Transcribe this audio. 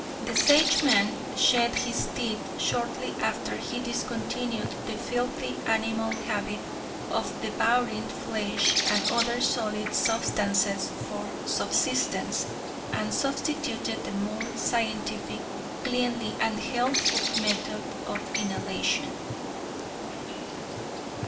The Sageman shed his teeth shortly after he discontinued the filthy animal habit of devouring flesh and other solid substances for subsistence, and substituted the more scientific, cleanly and healthful method of inhalation."